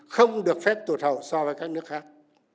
không được phép tụt hậu so với các nước khác